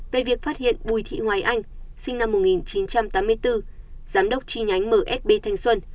về việc phát hiện bùi thị hoài anh sinh năm một nghìn chín trăm tám mươi bốn giám đốc chi nhánh msb thanh xuân